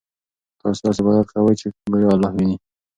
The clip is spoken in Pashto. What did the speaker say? تاسو داسې عبادت کوئ چې ګویا الله وینئ.